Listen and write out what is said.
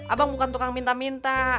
abang bukan tukang minta minta